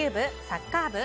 サッカー部？